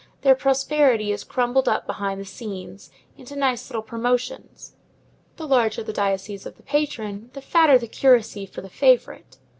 Their prosperity is crumbled up behind the scenes, into nice little promotions. The larger the diocese of the patron, the fatter the curacy for the favorite.